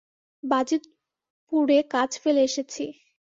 বাজিতপুরে কাজ ফেলে এসেছি।